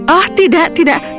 oh tidak tidak